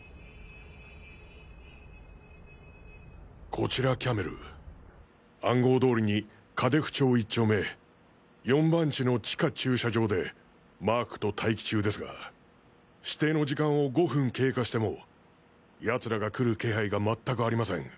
こちらキャメル暗号通りに果出風町１丁目４番地の地下駐車場でマークと待機中ですが指定の時間を５分経過しても奴らが来る気配が全くありません。